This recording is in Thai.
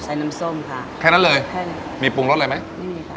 น้ำส้มค่ะแค่นั้นเลยแค่นี้มีปรุงรสอะไรไหมไม่มีค่ะ